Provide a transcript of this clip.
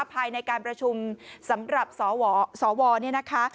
ภายในการประชุมสำหรับสวเนี่ยนะคะ